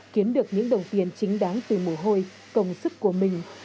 kiến được những đồng tiền chính đáng từ mùa hôi công sức của mình